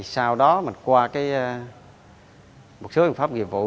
sau đó mình qua một số biện pháp nghiệp vụ